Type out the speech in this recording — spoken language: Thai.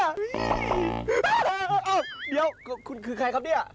เดี๋ยวคุณคือใครครับเนี่ย